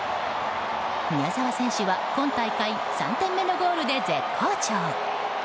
宮澤選手は今大会３点目のゴールで絶好調。